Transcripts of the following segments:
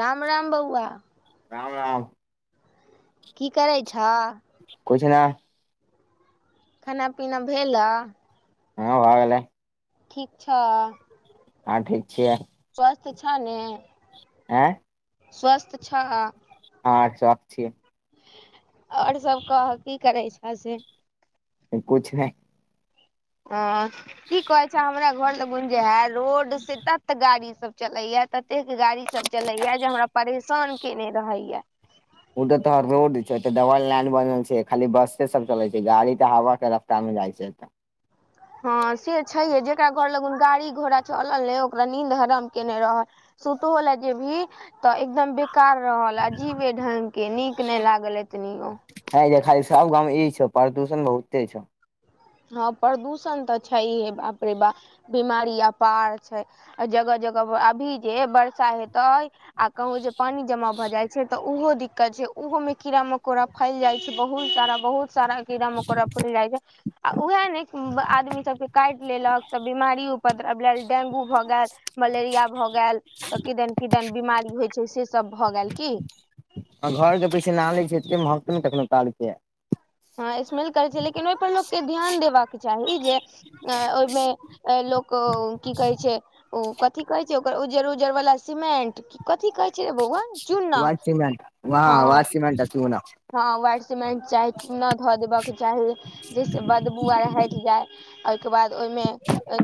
राम-राम बौअवा। राम-राम। की करै छऽ। कुछ नै। खाना-पीना भेलऽ। हां भाए गेलै। ठीक छऽ। हां ठीक छियै। स्वस्थ छा ने। अएं। स्वस्थ छऽ। हां स्वस्थ छिये। और सब कहऽ की करै छऽ से। कुछ नै। आ की कहै छऽ हमरा घर लगुन जे आय रोड से तत गाड़ी सब चलैया ततेक गाड़ी सब चलैया जे हमरा परेशान केने रहैया। उ‌ त तोहर रोड छै, एता डबल लाइन बनल छै, खाली बसे सब चलै छै, गाड़ी तऽ हवा के र ता मे जाय छै एतऽ। हां से छैहये जेकरा घर लगुन गाड़ी-घोड़ा चलल अय ओकरा नीन्द हराम केना रहल। सुतहो लै जेभी तऽ एकदम बेकार रहल, अजीबे ढंग के नीक नै लागल एतनियो। हय ये खाली सब गाँव मे ई छौ प्रदूषण बहुते छौ। हां प्रदूषण तऽ छैहये बाप रे बा बिमारी अपार छै। अ जगह-जगह पर अभी जे बरसा हेतै आ कहु जे पानी जमा भऽ जाय छै तऽ उहो दिक्कत छै, उहो मे कीड़ा-मकौड़ा फैल जाय छै बहुत सारा, बहुत सारा कीड़ा-मकौड़ा फैल जाय छै। आ उहाए नै उम्म ब आदमी सब के काएट लेलक तऽ बिमारी उपद्रव लाए, डेंगू भऽ गेल मलेरिया भऽ गेल तऽ किदन-किदन बिमारी होय छै से सब भऽ गेल की। आ घर के पीछे नाली छै, एते महकतौ नै कखनो काल के। हां स्मेल करै छै, लेकिन ओय पर लोक के ध्यान देबाक चाही जे ए ओय मे ए लोक की कहै छै उ कथी कहै छै ओकर उज्जर-उज्जर वला सीमेंट की कथि कहै के बौअवा चुन्ना वैह सीमेंट वहाँ हां। वैह सीमेंट आ चूना हां वाइट सिमेंट चाही, चूना धऽ देबा के चाही जै से बदबू आर हैट जाय। ए के बाद ओय मे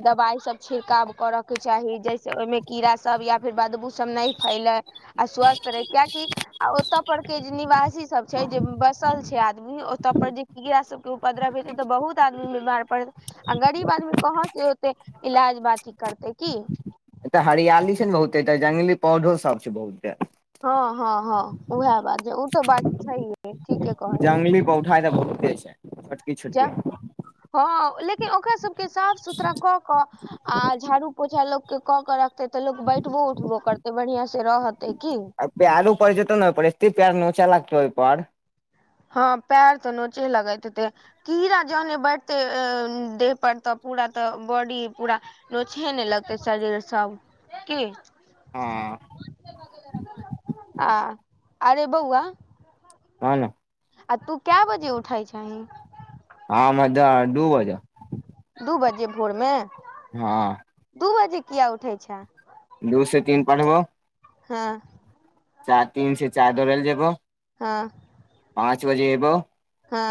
दवाय सब छिड़काव करक के चाही जै से ओयमे कीड़ा सब या फिर बदबू सब नै फैले। आ स्वस्थ रही कियाएकि आ ओता पर के जे निवासी सब छै जे बसल छै आ ओता पर जे कीड़ा सबके उपद्रव हेतै त बहुत आदमी बीमार पड़तै आ गरीब आदमी कहाँ से ओते इलाज बाती करतै की। एतऽ हरियाली छै नै बहुतेऽ त जंगली पौधो सब छै बहुत। हां-हां-हां उहाए बात जे उ तऽ बात छैेहये ठीके कहलीये। ली पौठा एतऽ बहुते छै छोटकी-छोटकी। हां लेकिन ओकरा सबके साफ-सुथरा कऽ कऽ आ झाड़ू-पोछा लोकके कऽ के रखतै तऽ लोक बैठबो-उठबो करतै बढ़ियां से रहतै की। आ पाएरो पड़ जेतो नै ओय पर एते पाएर नोचा लागतो ओय पर। हां पाएर तऽ नोचे लगैत हेते। कीड़ा जहने बढ़तै अ देह पर त पूरा त बॉडी पूरा नोचहे ने लगतै शरीर सब की। हँ। आ अरे बौआ ह ने। आ तू कए बजे उठय छहीं। हँ मज डू बजे। दू बजे भोरमे। हँ। दू बजे किया उठय छैं। दू से तीन पढ़ब हँ। चार तीन से चारि दौड़ै ल जेबऽ हँ। पाँच बजे एबौ हँ।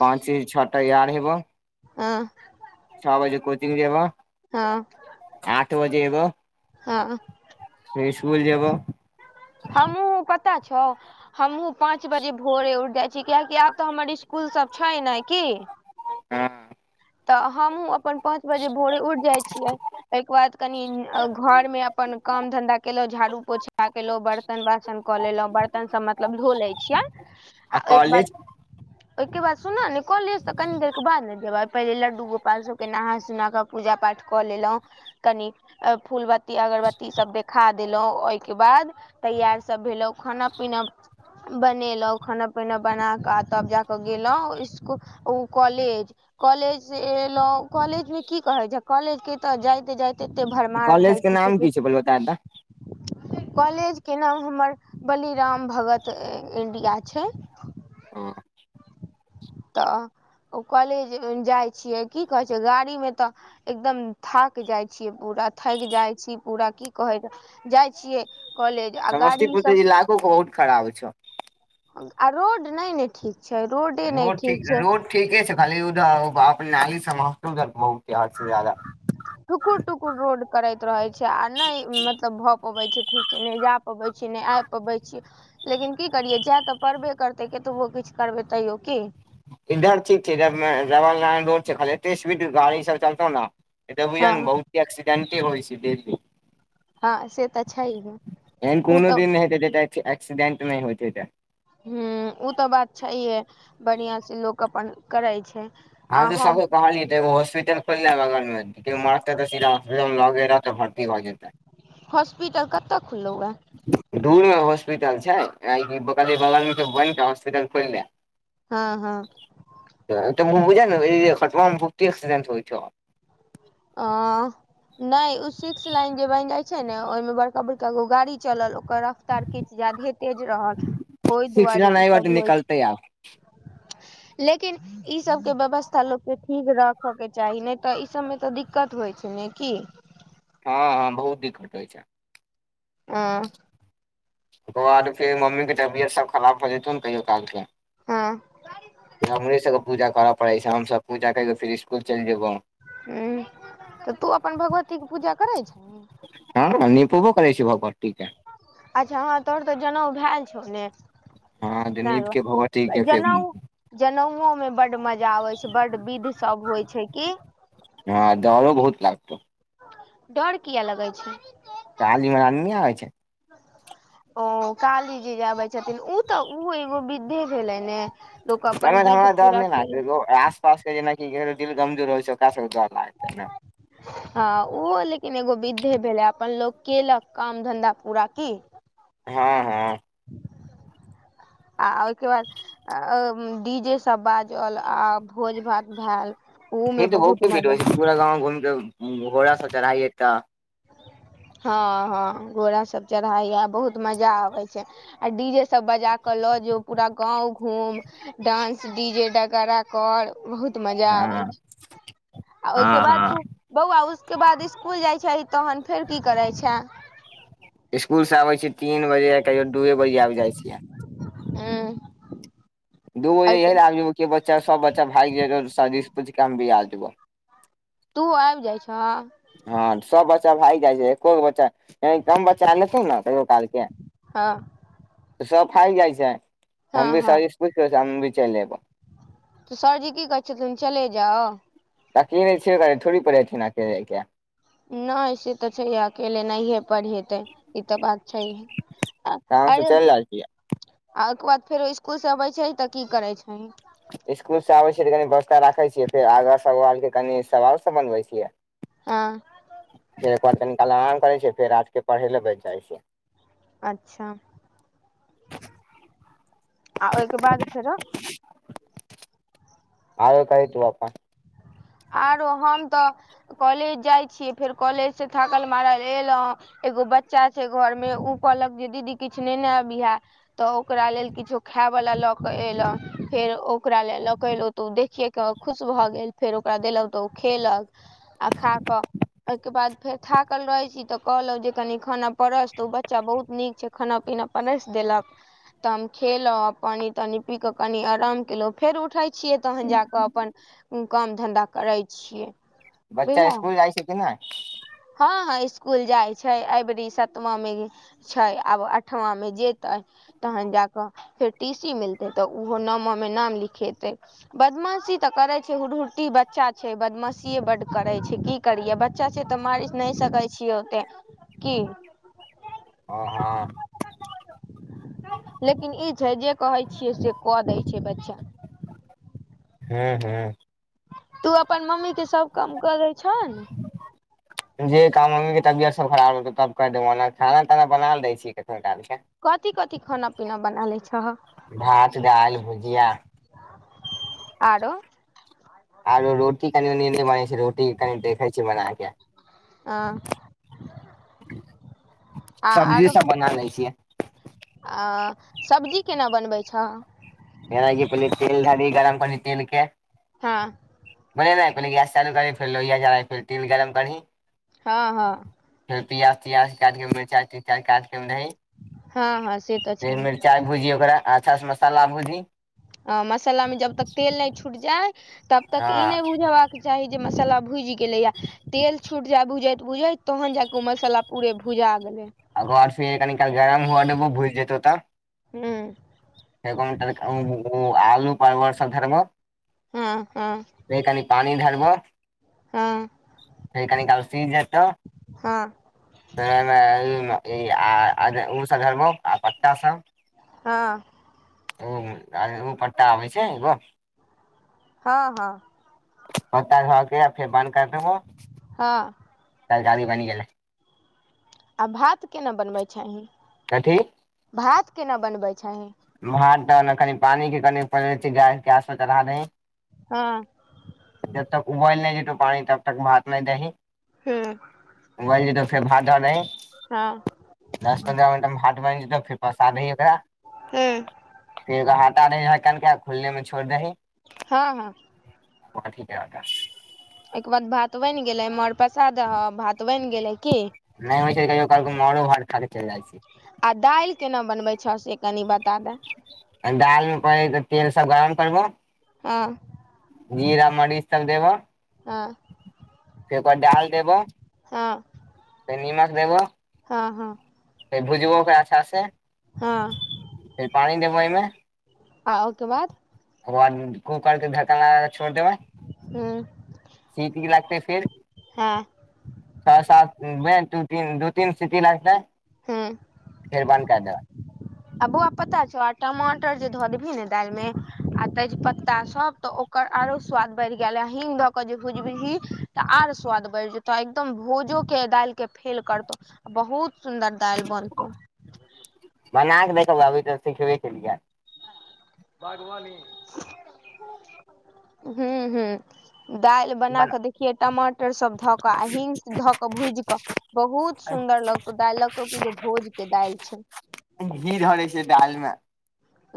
पाँच से छ तैयार हेबौ। ह। छ बजे कोचिंग जेबौ, हँ सात बजे एबौ। हँ फेर इसकुल जेबौ। हमहु पता छौ हमहु पांच बजे भोरे उठय छी कियाकि आब त हमर इसकुल सब छैय नइ की। हँ। तऽ हमहहुँ अपन पाँच बजे भोरे उठ जाइ छियै। एहिके बाद कनि घर मे अपन काम धंधा केलहु झाड़ू पोछा बर्तन बासन क लेलहुँ बर्तन सभ मतलब धो लै छियनि आ ओयके बाद ओयके बाद सुनऽ ने कॉलेज त कनि देर के बाद ने जेबय। पहिले लड्डू गोपाल सबके नहा सुना क पूजा पाठ क लेलहुँ कनि अ फूल बत्ती अगरबत्ती सब देखा देलहुं ओयके बाद तैयार सब भेलहुं खाना-पीना बनेलहुँ खाना -पीना बना क आ तब जा क गेलहुँ इसकुल ओ कॉलेज कॉलेज से एलौं कॉलेजमे की कहे छैय कॉलेज के त जाइते जाइते भर कॉलेजके नाम की छैय पहिले बता त। कॉलेजके नाम हमर बली राम भगत इंडिया छैय। ह। त ओ कॉलेज जाइ छियै की कहै छैय गाड़ी में त एकदम थाकि जाइ छीयै पूरा थाकि जाइ छियै पूरा की कहै जाइ छियै। कॉलेज आ गाड़ी समस्तीपुर त सब इलाको बहुत खराब छ। आ रोड नय ने ठीक छै रोडे नइ रोड ठीक छैय। ठीक छैय [unintelligible] ठुकुर टुकुर रोड करैत रहय छैय आ नय मतलब भए पबे छैय ठीक ने जा पबै छी नहि आइब पबै छी। लेकिन की करियै जाय त पड़बे करतय केतबो किछ करबै तैयो की। इधर ठीक छै, जब डबल लाइन रोड छै खाली, एते स्पीड गाड़ी सब चलतौ न [unintelligible] हँ बहुते एक्सिडेंटे होइ छैे डेली हँ से तऽ छैहे एहन ओ कोनो तऽ दिन हेतै, जे एतऽ एक्सीडेंट नहि होइत हेतै। हम्म उ तऽ बात छैहे, बढ़ियां से लोक अपन करै छै। हम त सब कहलियै त एगो हॉस्पिटल खोइले बगल मे कियो मारतै तऽ सीधा होस्पिटल लगे रहतै भर्ती भऽ जेतै। हॉस्पिटल कतऽ खुललौ ए दूर मे हॉस्पिटल छै, काहे की कहलियै बगल बैनक हॉस्पिटल खोलि लैं। हँ-हँ त तऽ बुझ ने खतमा मे बहुते एक्सिडेंट होइ छ अँ नहि ओ सिक्स लाइन जे बनि जाय छै ने, ओहि में बड़का-बड़का गो गाड़ी चलल ओकर रफ्तार किछु ज्यादहे तेज रहल, ओहि सिक्स दुआरे जन एहि बाटे ईसब होइ छै। निकलतै [inaudible] लेकिन ई सब के व्यवस्था लोक के ठीक राखऽ के चाही, ने त ई सब मे तऽ दिक् कत होइ छै ने की? हँ- हँ बहुत दिक्कत होइ छै। आँ ओकर बाद फेर, मम्मी के तबियत सब खराब भ जेतौ ने, कहियो काल के हँ हमरे सबके पूजा करऽ पड़ै छै, हमसब पूजा कर क फेर स्कुल चलि जेबो। हम्म तऽ तू अपन भगवती के पूजा करै छ हँ-हँ निपोबो करै छी भगवती के अच्छा ह तोर तऽ जनउ भैल छौ ने हँ तै नीप के भगवती दुआ के फेर जनउ जनउओ में बड मजा आबै छै, बड विध सब होइ छै की। हँ डरो बहुत लागतौ। डर किया लगै छै काली महारानी नय आब‌इ छै। ओ काली जी जे आबै छथिन, उ तऽ उ एगो विद्धे भेलै ने लोक घर अपन में त विध हमरा डर पूरा नहि लागतै केलक एगो एस पास के जेनाकि केकरो दिल गमजोर होइ छै, ओकरा सबके डर लागतै ने हँ उ लेकिन एगो विद्धे भेलै, अपन लोक केलक काम धन्धा पूरा की हँ-हँ आ ओहिके बाद डी जेे सब बाजल, आ भोज-भात भैल। उहूं ई में तऽ बहुत बहुते भीड़ होइ मजा छै पूरा गाँव घूमिक, घोड़ा स चढ़ाइ एकटा हँ-हँ घोड़ा सब चढ़ाय या बहुत मजा आबै छै। आ डी जेे सब बजा क लऽ जो, पूरा गाँंव घूम डांस डी जे डगारा कर बहुत मजा आबै हँ छै, आ ओहिके हँ बाद हँ तू बौआ उसके बाद स्कुल जाइ छहि, तहन फेर की करै छै। स्कुलसँ आबै छियै तीन बजे, कहिओ द दुए बजे आबि जाइ छियै। अम्म दू बजे यह लै, आब जेबौ कि बच्चा सब बच्चा भागि जेयतौ, सरजी से पुछि के हम भी आ जेबो। तू आबि जाइ छ। हँ सब बच्चा भागि जाइ छै, एको गो बच्चा य कम बच्चा ऐतौ ने कहियो काल के हँ। त सब भाइग जाइ छै हँ हम भी हँ सरजी से पुछि के हम भी चलि अएयब। त सरजी की कहै छथुन चले जाउ? अकले छेबै थोड़ी परहेथिन अकेले‌ के। नहि से तऽ छैहे अकेले नहिये पढ़ि हेतै ई तऽ बात छैहे। तऽ हमसब चलि रहल छियै। आ ओहिके बाद फेरो इसकुल से अबै छै तऽ की करे छै? इसकुल से आबै छियै तऽ कनी वस्था राखै छियै फेर आगाँ सबालके कनि सवाल सब बनबै छियै। आ। फेर कनि काल आराम करै छै फेर रात के पढ़े ले बैठ जाइ छै। अच्छा। आ ओहिके बाद फेरो। आर कहि तू अपन। आरो हम तऽ कॉलेज जाइत छियै फेर कॉलेज सँ थाकल मारल एलहुँ। एगो बच्चा छै घर में उ कहलक जे दीदी किछ नेने अबीहे। तऽ ओकरा लेल किछो खायवला लऽक एलहु फेर ओकरा लेल ल क एलहु। त ओ देखियए क खुश भऽ गेल फेर ओकरा देलहुँ तऽ ओ खेलक आ खा कऽ ओके बाद फेर थाकल रहै छी तऽ कहलहु जे कनी खाना परस तऽ ओ बच्चा बहुत नीक छै। खाना-पीना परसि देलक। त हम खेलहुँ पानि-तानि पीक कनी आराम केलहुँ फेर उठै छियै तहन जाकऽ अपन ऊ काम धंधा करै छियै। बच्चा स्कूल जाइ छै कि नै? हऽ इसकुल जाइ छै अयबेरी सतमा मे गे छै आब अठमामे जेतै। तहन जा कऽ फेर टी सी मिलतै तऽ उहो नमा मे नाम लिखेतै। बदमाशी तऽ करै छै हुरहुरटी बच्चा छै बदमाशिये बड्ड करै छै की करियै बच्चा छै तऽ मारह नहि सकै छियै ओते की। ओ हँ। लेकिन ई छै जे कहै छियै से कऽ दै छै बच्चा। हू हू। तू अपन मम्मी के सब काम कऽ दै छहन। जे काम मम्मी के तबियत सब खराब रहतौ तब के देबौ ओना खाना ताना बना लैय छीय कहियो काल के। कथि कथि खान-पीना बनालै छहक। भात, दाल भुजिया। आरो। आरो रोटी कनिमनी नहि बनै छै रोटी कनि देखै छीय बना के। अ आ सब्जी आरो सब बना लै छियै। आ सब्जी केना बनबै छह। जेनाकि पहिले तेल ढारी गरम कोली तेल के। हँ। बोझली नहि पहिले गैस चालू करी फेर लोहिआ चढ़ै फर तेल गरम करही। हँ हँ। फेर प्याज तियाज कैट के मिरचाई तिरचाई कैट के ओहिमे दही। हँ हँ से तऽ छै। चाय भुजी ओकरा अच्छा से मसाला भुजी। अ- मसल्ला में जब तक तेल नय छूइट जाय तब तक ई हँ नहि बुझबाक- चाही जे मसल्ला भुइज गेलैयैऽ। तेल छूट जैऽ भुजैत -भुजैत तहन जा के ओ मसाला पूरे भुजा गेलय। आ घर से कनिकाल गरम हुअ देबउ भुइज जेतउ तऽ- हुं- [unintelligible] हँ -हँ- गय कनी पानी धरबऽ- हँ फे कनी काल सीजेतऽ- हँ हँ [unintelligible] आ पत्ता सब हँ- ओ-आरे ओ पट्टा आबै छै एग्गो। हँ -हँ- पत्ता ध के आ फेर बन्द कर देबौ। हँ- काइल जालि बइन गेलै। आ भात केना बनबै छही? कथी? भात केना बनबै छही? भात दन-कनि पानी के कनि पर अथी-गैस के आस पर चढ़ा दही। हँ- जब तक उबइल नइ जेतौ पानी तब तक भात नइ दही हूँ उबइल जेतौउ फेर भात द दही। हँ दस पन्द्रह मिनटमे भात बइन जेतौ फेर पसा दही ओकरा। हुं- फेर हटा दही ढक्कन के आ खुल्ले में छोइर दही, हँ -हँ- [unintelligible] अय के बाद भात बइन गेलै मांड पसा दह भात बइन गेलै की? नइ होइ छै कहियो काल क मांरो भात खाक चइल जाइ छी। आ दाइल केना बनबै छह से कनि बता दैऽ? दाइल मे पैयत तेल सब गरम करबौ, हं- जीरा मरीच तक देबऽ हं- फेर ओकरा डाल देब, हँ- फेर निमक देबो। हँ- हँ- फेर भूजबऽ ओकरा अच्छा स, हँ- फेर पानी देब एयमें, आ -ओकेे बाद? ओकबाद कूकर के ढक्कन लगा क छोइड़ देबै, उं- सीत की लागतै फेर हँ। छः सातमे दू तीन दू तीन सीटी लगतै, हँ फेर बन्द कए दे। [inaudible] आ बौआ पता छौ आ टमाटर जे धऽ देबही ने दालि में आ तेज पत्ता सब तऽ ओकर आरो स्वाद बढ़ गेलहु, हिंग द के जे भुजबही त आर स्वाद बढ़ि जेतौ। तऽ एकदम भुजो के दालि के फेल करतौ बहुत सुन्दर दाल बनतौ। बना देबै कभी त अभी सिखने केलिये। बागवानी, हुं हुं। दाइल बना कऽ देखिहै, टमाटर सभ धऽ कऽ आ ही्ग धऽ कऽ भूजि कऽ। बहुत सुन्दर लगतौ दालि लगतौ कि जे भोज के दालि छौ। घी ध दै छै दालि मे।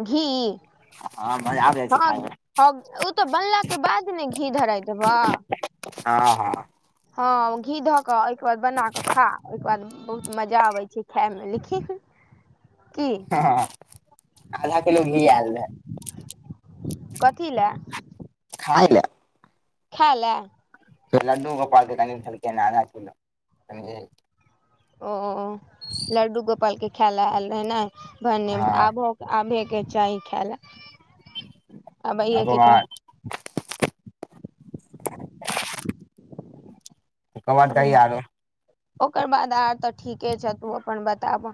घी? हँ मजा आबै जाइ छै हँ खाय ओ तऽ बनला के बाद ने घी धराय देबह। हं हँ। हँ घी धऽ कऽ ओहिके बाद बना कऽ खा, ओहिके बाद बहुत मजा आबै छै खायमे, की। हँ, आधा किलो घी आयल रहै। कथी ले। खाइ ले। खाय ले। लड्डू गोपाल के खाय ले आयल रहैे कनीके, समझी ओ लड्डू गोपालल के खाय ल आयल रहे ने, भने हँ आब आबहेके चाही खाय ले आबै ओकर के चाही। बाद ओकर बाद कही चाही आरो। ओकर बाद आर तऽ ठीके छ तू अपन बताबऽ।